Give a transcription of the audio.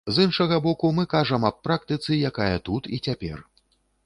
З іншага боку, мы кажам аб практыцы, якая тут і цяпер.